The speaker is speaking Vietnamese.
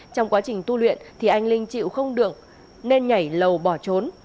trong quá trình tu luyện thì anh linh chịu không được nên nhảy lầu bỏ trốn